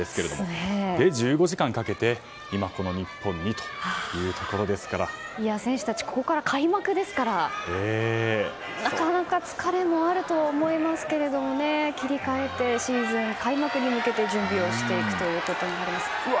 １５時間かけて選手たちここから開幕ですからなかなか疲れもあると思いますが切り替えてシーズン開幕に向けて準備をしていくということになります。